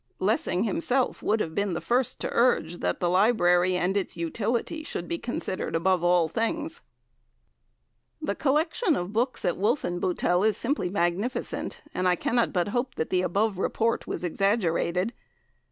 Lessing himself would have been the first to urge that the library and its utility should be considered above all things." The collection of books at Wolfenbuttel is simply magnificent, and I cannot but hope the above report was exaggerated.